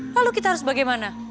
lalu kita harus bagaimana